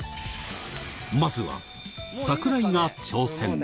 まずは櫻井が挑戦。